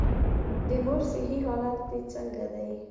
د مور صحي حالت دي څنګه دی؟